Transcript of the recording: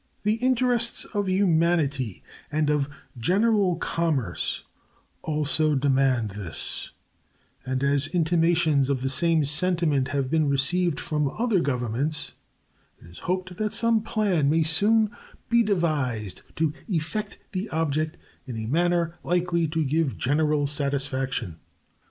The interests of humanity and of general commerce also demand this; and as intimations of the same sentiment have been received from other governments, it is hoped that some plan may soon be devised to effect the object in a manner likely to give general satisfaction.